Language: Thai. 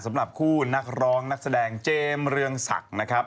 สำหรับคู่นักร้องนักแสดงเจมส์เรืองศักดิ์นะครับ